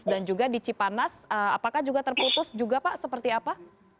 juga di cipanas apakah juga terputus juga pak seperti apa